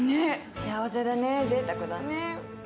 幸せだね、ぜいたくだね。